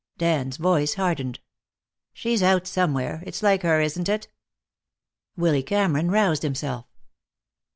Dan's voice hardened. "She's out somewhere. It's like her, isn't it?" Willy Cameron roused himself.